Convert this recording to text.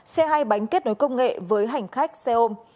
xe hai bánh kết nối công nghệ với hành khách xe ôm